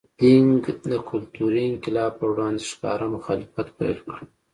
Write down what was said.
دینګ د کلتوري انقلاب پر وړاندې ښکاره مخالفت پیل کړ.